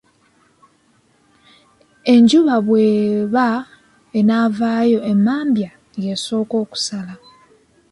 Enjuba bw'eba enaavaayo emmambya y'esooka okusala.